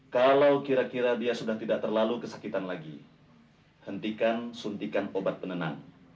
kalau kira kira dia sudah tidak terlalu kesakitan lagi hentikan suntikan obat penenang